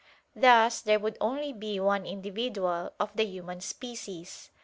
Thus there would only be one individual of the human species.